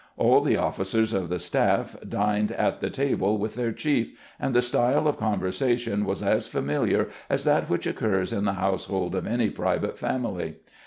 All the officers of the staff dined at the table with their chief, and the style of conversation was as familiar as that which occurs in the household of any private family.